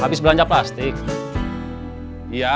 b policymakers nya akan ke maternal itu